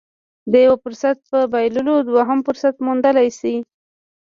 د يوه فرصت په بايللو دوهم فرصت موندلی شي.